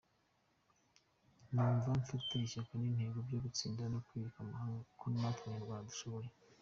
Numvaga mfite ishyaka n’intego byo gutsinda no kwereka amahanga ko natwe Abanyarwanda dushoboye.